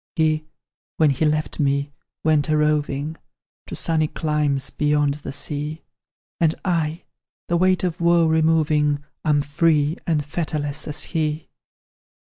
"He, when he left me, went a roving To sunny climes, beyond the sea; And I, the weight of woe removing, Am free and fetterless as he.